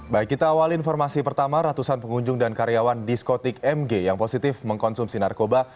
baik kita awal informasi pertama ratusan pengunjung dan karyawan diskotik mg yang positif mengkonsumsi narkoba